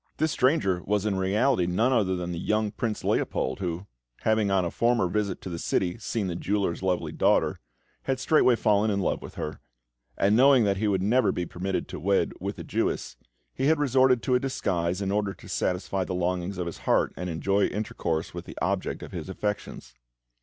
This stranger was in reality none other than the young Prince Leopold, who, having on a former visit to the city seen the jeweller's lovely daughter, had straightway fallen in love with her; and knowing that he would never be permitted to wed with a Jewess, he had resorted to a disguise in order to satisfy the longings of his heart, and enjoy intercourse with the object of his affections.